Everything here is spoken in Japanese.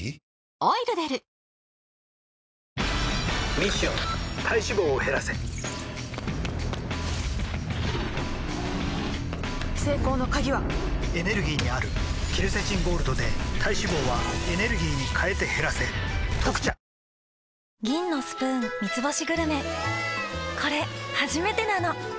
ミッション体脂肪を減らせ成功の鍵はエネルギーにあるケルセチンゴールドで体脂肪はエネルギーに変えて減らせ「特茶」坂上忍、動物と歩んだ５０年。